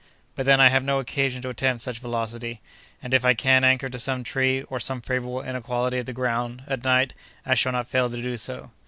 But then I have no occasion to attempt such velocity; and if I can anchor to some tree, or some favorable inequality of the ground, at night, I shall not fail to do so.